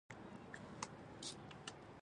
هغه کس چې تر شا بېړۍ يې سوځولې وې بريالی شو.